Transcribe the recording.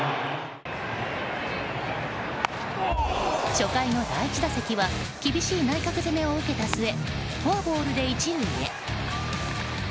初回の第１打席は厳しい内角攻めを受けた末フォアボールで１塁へ。